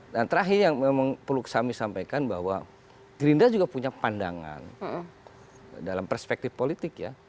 terakhir yang memang perlu kami sampaikan bahwa gerindra juga punya pandangan dalam perspektif politik ya